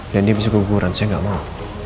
dan dia bisa keguguran saya gak mau